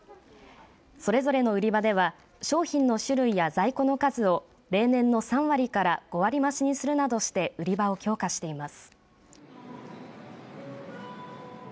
それぞれの売り場では商品の種類や在庫の数を例年の３割から５割増しにするなどして売り場を強化しています。